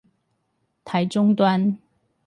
台中端